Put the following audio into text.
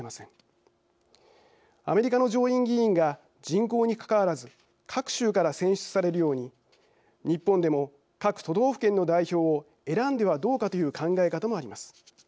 アメリカの上院議員が人口にかかわらず各州から選出されるように日本でも各都道府県の代表を選んではどうかという考え方もあります。